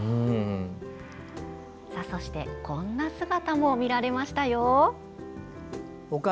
そして、こんな姿も見られましたよ。